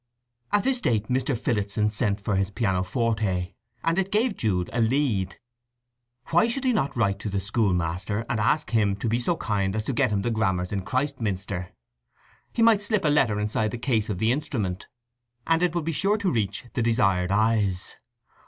At this date Mr. Phillotson sent for his pianoforte, and it gave Jude a lead. Why should he not write to the schoolmaster, and ask him to be so kind as to get him the grammars in Christminster? He might slip a letter inside the case of the instrument, and it would be sure to reach the desired eyes.